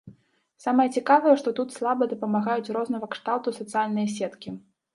Самае цікавае, што тут слаба дапамагаюць рознага кшталту сацыяльныя сеткі.